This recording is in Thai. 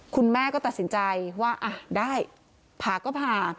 คุณแม่ก็ตัดสินใจว่าอ่ะได้ผ่าก็ผ่า